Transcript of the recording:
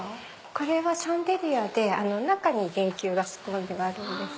これはシャンデリアで中に電球が仕込んであるんです。